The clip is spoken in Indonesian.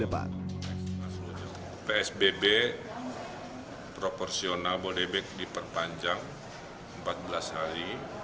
psbb proporsional bodebek diperpanjang empat belas hari